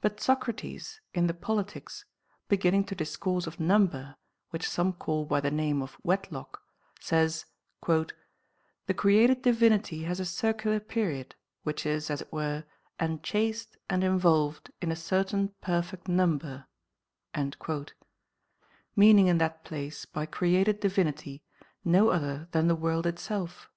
But Socrates, in the Politics, beginning to discourse of number, which some call by the name of wedlock, says :" The created Divinity has a circular period, which is, as it were, enchased and OF THE PROCREATION OF THE SOUL. 339 involved in a certain perfect number ;" meaning in that place by created Divinity no other than the world itself.